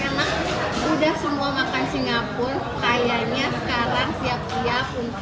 udah semua makan singapura kayaknya sekarang siap siap untuk ke ketocat atau ke santosa kali ya